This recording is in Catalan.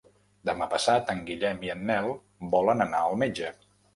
Demà passat en Guillem i en Nel volen anar al metge.